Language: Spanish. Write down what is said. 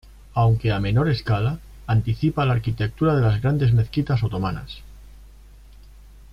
Aunque a menor escala, anticipa la arquitectura de las grandes mezquitas otomanas.